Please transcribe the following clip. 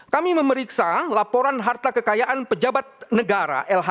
kami memeriksa laporan harta kekayaan pejabat negara lhk